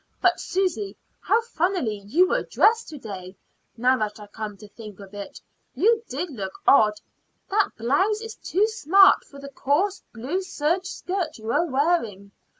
But, Susy, how funnily you were dressed to day, now that I come to think of it! You did look odd. That blouse is too smart for the coarse blue serge skirt you were wearing."